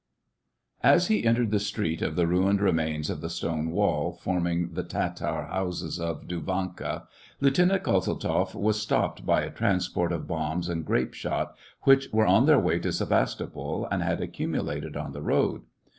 As he entered the street of the ruined remains of the stone wall, forming the Tatar houses of Duvanka, Lieutenant Kozeltzoff was stopped by a transport of bombs and grape shot, which were on their way to Sevastopol, and had accumulated on the road.